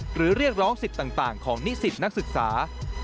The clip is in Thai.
เรียกร้องสิทธิ์ต่างของนิสิตนักศึกษา